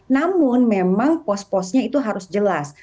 namun memang pos posnya itu harus jelas